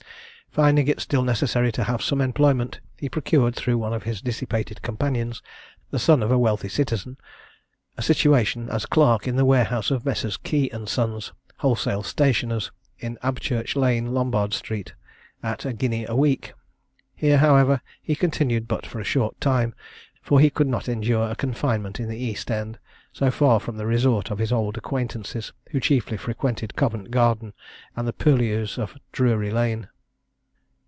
Finding it still necessary to have some employment, he procured, through one of his dissipated companions, the son of a wealthy citizen, a situation, as clerk in the warehouse of Messrs. Key and Sons, wholesale stationers, in Abchurch Lane, Lombard Street, at a guinea a week. Here, however, he continued but for a short time; for he could not endure a confinement in the East End, so far from the resort of his old acquaintances, who chiefly frequented Covent Garden and the purlieus of Drury Lane.